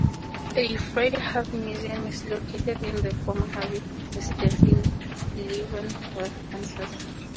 A Fred Harvey museum is located in the former Harvey residence in Leavenworth, Kansas.